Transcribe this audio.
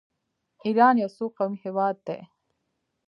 ایران یو څو قومي هیواد دی.